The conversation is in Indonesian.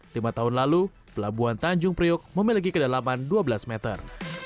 lima tahun lalu pelabuhan tanjung priok memiliki kedalaman dua belas meter